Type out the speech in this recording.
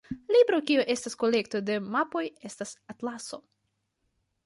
Libro kiu estas kolekto de mapoj estas atlaso.